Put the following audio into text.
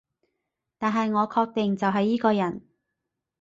但係我確定就係依個人